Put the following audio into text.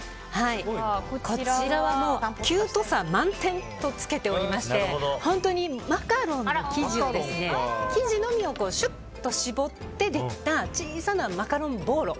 こちらはキュートさ満点とつけておりまして本当にマカロンの生地のみをシュッと絞ってできた小さなマカロンボーロ。